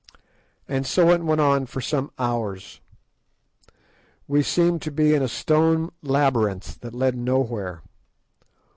And so it went on for some hours. We seemed to be in a stone labyrinth that led nowhere.